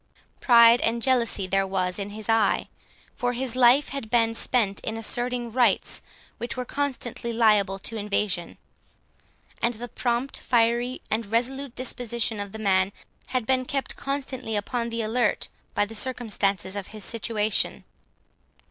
Pride and jealousy there was in his eye, for his life had been spent in asserting rights which were constantly liable to invasion; and the prompt, fiery, and resolute disposition of the man, had been kept constantly upon the alert by the circumstances of his situation.